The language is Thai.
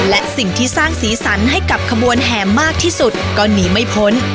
และสิ่งที่สร้างสีสันให้กับขบวนแห่มากที่สุดก็หนีไม่พ้น